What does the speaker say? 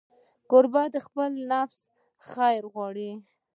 کوربه د خپل نفس خیر غواړي.